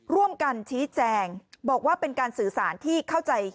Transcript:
ร่วมกันชี้แจงบอกว่าเป็นการสื่อสารที่เข้าใจ